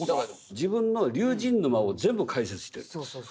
自分の「龍神沼」を全部解説してるんです。